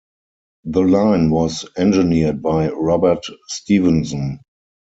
The line was engineered by Robert Stephenson.